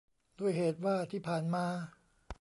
ด้วยเหตุว่าที่ผ่านมา